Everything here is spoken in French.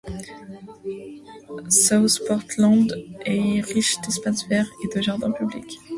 South Portland est riche d'espaces verts et de jardins publics.